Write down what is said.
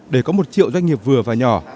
để có một triệu doanh nghiệp vừa và nhỏ